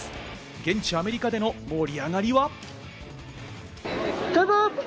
現地アメリカでの盛り上がりは？